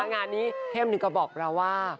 งานนี้เค้มนึกออกมาว่า